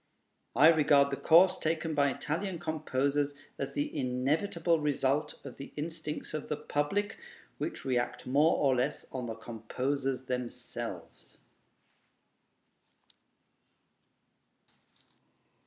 I regard the course taken by Italian composers as the inevitable result of the instincts of the public, which react more or less on the composers themselves.